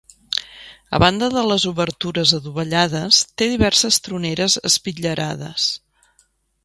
A banda de les obertures adovellades, té diverses troneres espitllerades.